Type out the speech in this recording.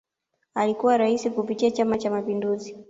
Alikuwa Rais kupitia Chama Cha Mapinduzi